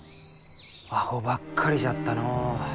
アホばっかりじゃったのう。